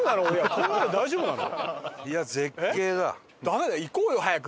こんなので大丈夫なの？